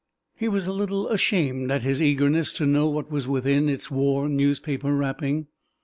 He was a little ashamed at his eagerness to know what was within its worn newspaper wrapping.